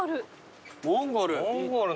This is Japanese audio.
モンゴル。